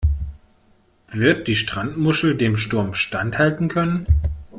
Wird die Strandmuschel dem Sturm standhalten können?